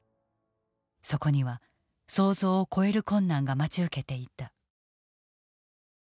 そこには想像を超える困難が待ち受けていた。